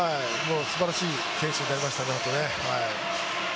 すばらしい選手になりましたね、本当に。